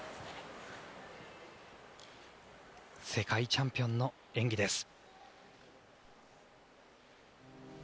世界チャンピオンの演技です。